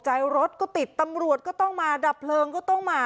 รถก็ติดตำรวจก็ต้องมาดับเพลิงก็ต้องมา